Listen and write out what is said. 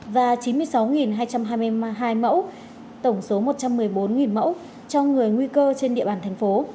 và chín mươi sáu hai trăm hai mươi hai mẫu tổng số một trăm một mươi bốn mẫu cho người nguy cơ trên địa bàn thành phố